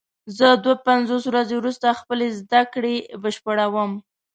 زه دوه پنځوس ورځې وروسته خپلې زده کړې بشپړوم.